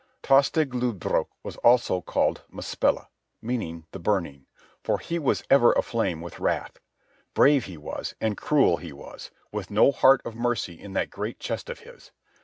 Tostig Lodbrog was also called Muspell, meaning "The Burning"; for he was ever aflame with wrath. Brave he was, and cruel he was, with no heart of mercy in that great chest of his.